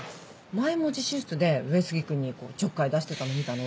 前も自習室で上杉君にちょっかい出してたの見たの。